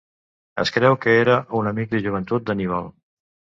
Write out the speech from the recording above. Es creu que era un amic de joventut d'Anníbal.